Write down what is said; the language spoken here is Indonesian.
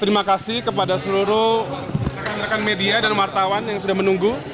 terima kasih kepada seluruh rekan rekan media dan wartawan yang sudah menunggu